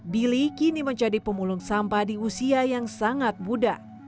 billy kini menjadi pemulung sampah di usia yang sangat muda